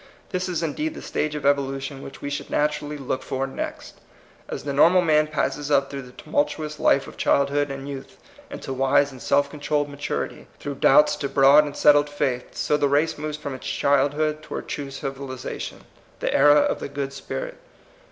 This is indeed the stage of evolution which we should natu rally look for next. As the normal man passeu up through the tumultuous life of childhood and youth into wise and self controlled maturity, through doubts to broad and settled faith, so the race moves from its childhood toward true civiliza tion — the era of the good spirit.